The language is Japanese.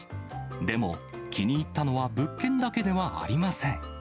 でも、気に入ったのは物件だけではありません。